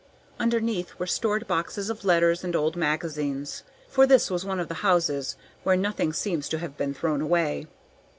Underneath were stored boxes of letters and old magazines; for this was one of the houses where nothing seems to have been thrown away.